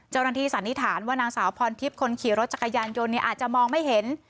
สันนิษฐานว่านางสาวพรทิพย์คนขี่รถจักรยานยนต์อาจจะมองไม่เห็น